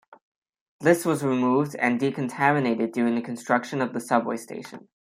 This was removed and decontaminated during the construction of the subway station.